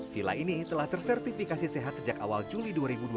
villa ini telah tersertifikasi sehat sejak awal juli dua ribu dua puluh